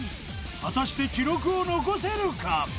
果たして記録を残せるか？